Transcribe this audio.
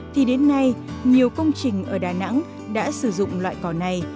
thì đến nay nhiều công trình ở đà nẵng đã sử dụng loại cỏ này